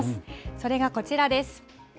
それがこちらです。